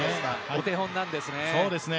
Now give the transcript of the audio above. お手本なんですね。